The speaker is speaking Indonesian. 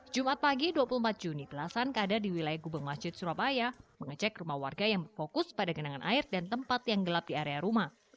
jumat pagi dua puluh empat juni belasan kada di wilayah gubeng masjid surabaya mengecek rumah warga yang berfokus pada genangan air dan tempat yang gelap di area rumah